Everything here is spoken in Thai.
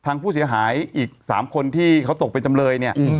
ทางผู้เสียหายอีก๓คนที่เขาตกเป็นจำเลยเนี่ย